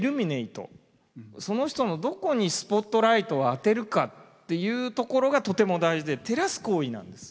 その人のどこにスポットライトを当てるかっていうところがとても大事で照らす行為なんです。